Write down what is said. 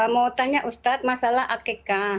mau tanya ustadz masalah akek